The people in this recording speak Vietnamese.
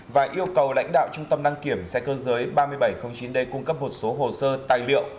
và yêu cầu lãnh đạo trung tâm đăng kiểm xe cơ giới ba nghìn bảy trăm linh chín d cung cấp một số hồ sơ tài liệu